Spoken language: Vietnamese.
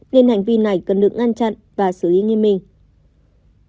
nên hành vi này cần được ngăn chặn và xử lý như mình